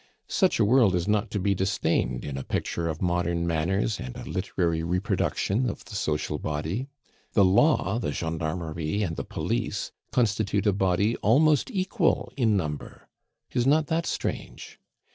Such a world is not to be disdained in a picture of modern manners and a literary reproduction of the social body. The law, the gendarmerie, and the police constitute a body almost equal in number; is not that strange?